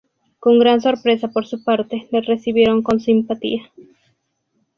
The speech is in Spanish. Con gran sorpresa por su parte, le recibieron con simpatía.